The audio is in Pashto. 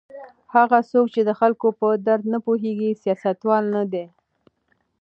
هغه څوک چې د خلکو په درد نه پوهیږي سیاستوال نه دی.